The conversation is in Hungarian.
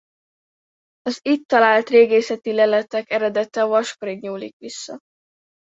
Az itt talált régészeti leletek eredete a vaskor-ig nyúlik vissza.